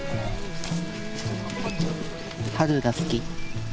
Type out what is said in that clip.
春が好き。